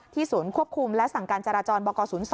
ศูนย์ควบคุมและสั่งการจราจรบก๐๒